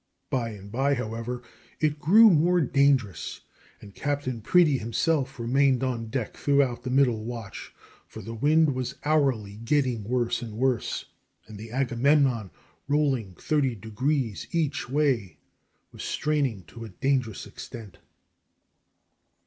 By and by, however, it grew more dangerous, and Captain Preedy himself remained on deck throughout the middle watch, for the wind was hourly getting worse and worse, and the Agamemnon, rolling thirty degrees each way, was straining to a dangerous extent.